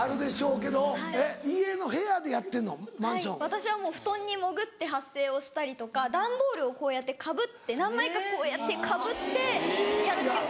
私は布団に潜って発声をしたりとか段ボールをこうやってかぶって何枚かこうやってかぶってやるっていう。